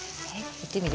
いってみる？